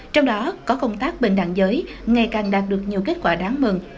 trong đó có công tác bình đẳng giới ngày càng đạt được nhiều kết quả đáng mừng